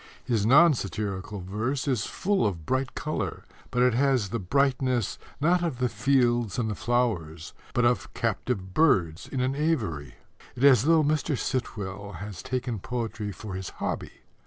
His non satirical verse is full of bright colour, but it has the brightness, not of the fields and the flowers, but of captive birds in an aviary. It is as though Mr. Sitwell had taken poetry for his hobby.